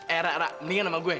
eh ra ra mendingan sama gue